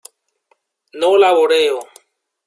No laboreo.